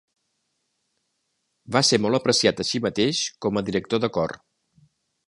Va ser molt apreciat així mateix com a director de cor.